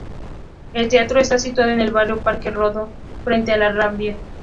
El teatro está situado en el barrio Parque Rodó, frente a la rambla.